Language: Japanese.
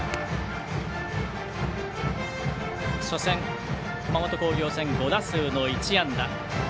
初戦、熊本工業戦５打数の１安打。